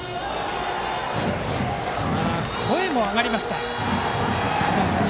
声も上がりました。